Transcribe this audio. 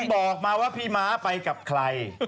บอกมาว่าพี่ม้าไปกับใคร